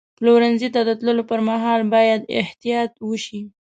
پلورنځي ته د تللو پر مهال باید احتیاط وشي.